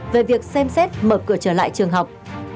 về việc xem xét mở cửa trở lại trường học